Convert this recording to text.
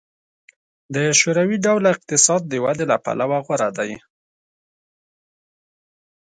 د شوروي ډوله اقتصاد د ودې له پلوه غوره دی